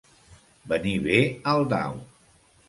Venir bé al dau.